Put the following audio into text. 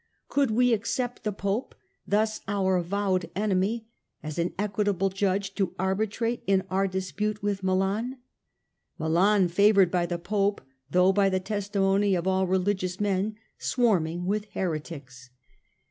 Could we accept the Pope, thus our avowed enemy, as an equitable judge to arbitrate in our dispute with Milan ; Milan, favoured by the Pope, though by the testimony of all religious men, swarming with heretics